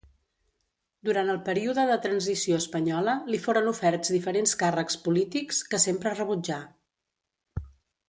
Durant el període de transició espanyola, li foren oferts diferents càrrecs polítics, que sempre rebutjà.